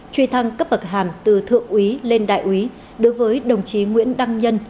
truy thăng cấp bậc hàm từ thượng úy lên đại úy đối với đồng chí nguyễn đăng nhân